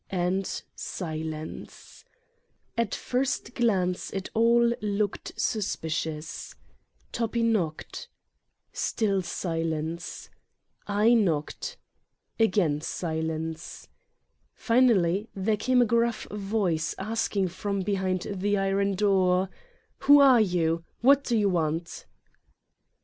And silence. At first glance it all looked suspicious. Toppi knocked. Again silence. Finally there came a gruff voice, Still silence. I knocked. Again silence. Finally there came a gruff voice, asking from behind the iron door: "Who are you? What do you want?"